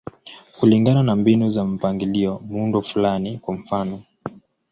Kulingana na mbinu za mpangilio, muundo fulani, kwa mfano.